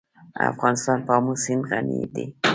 افغانستان په آمو سیند غني دی.